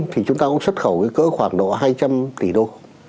thì chúng ta cũng xuất khẩu cái cỡ khoảng độ hai trăm linh tỷ đô